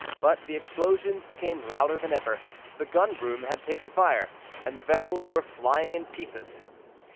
But the explosions became louder than ever; the gun room had taken fire, and the vessels were flying in pieces.